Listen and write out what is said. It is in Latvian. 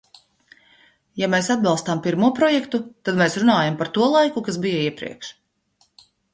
Ja mēs atbalstām pirmo projektu, tad mēs runājam par to laiku, kas bija iepriekš.